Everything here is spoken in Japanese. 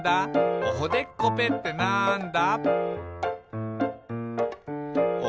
「おほでっこぺってなんだ？」